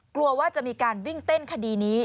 กลัวว่าจะมีการวิ่งเต้นคดีนี้